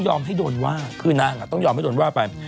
ให้โดนว่าคือนางต้องยอมให้โดนว่าไป